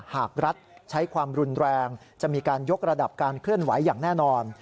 หากรัฐใช้ความรุนแรงจะมีการยกระดับการเคลื่อนไหวอย่างแน่นอน